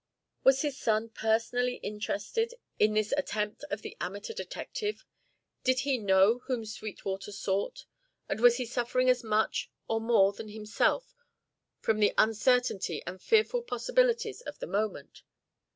Was his son personally interested in this attempt of the amateur detective? Did he know whom Sweetwater sought, and was he suffering as much or more than himself from the uncertainty and fearful possibilities of the moment?